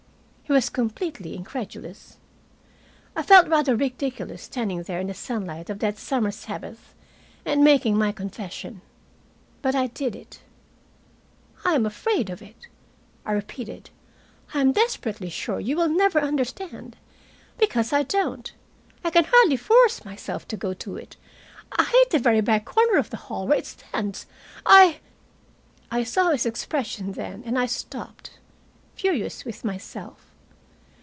He was completely incredulous. I felt rather ridiculous, standing there in the sunlight of that summer Sabbath and making my confession. But I did it. "I am afraid of it," I repeated. "I'm desperately sure you will never understand. Because I don't. I can hardly force myself to go to it. I hate the very back corner of the hall where it stands, I " I saw his expression then, and I stopped, furious with myself.